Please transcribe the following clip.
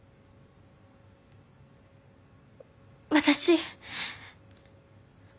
私。